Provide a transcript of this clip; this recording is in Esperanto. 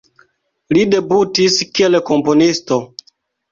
Li debutis kiel komponisto.